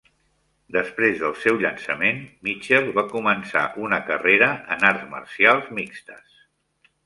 Després del seu llançament, Mitchell va començar una carrera en arts marcials mixtes.